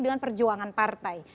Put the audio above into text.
dengan perjuangan partai